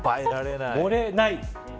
盛れない。